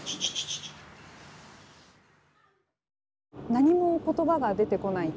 何も言葉が出てこない。